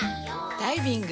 ダイビング。